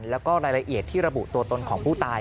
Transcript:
แล้วก็รายละเอียดที่ระบุตัวตนของผู้ตาย